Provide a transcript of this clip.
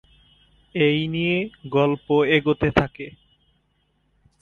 এই নিয়ে গল্প এগোতে থাকে।